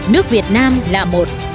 nước việt nam là một